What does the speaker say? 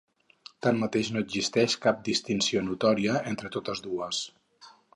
Tanmateix, no existeix cap distinció notòria entre totes dues.